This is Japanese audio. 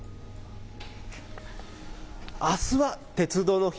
あすは鉄道の日。